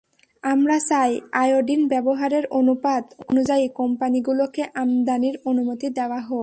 আমরা চাই আয়োডিন ব্যবহারের অনুপাত অনুযায়ী কোম্পানিগুলোকে আমদানির অনুমতি দেওয়া হোক।